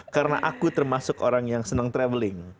karena aku termasuk orang yang senang travelling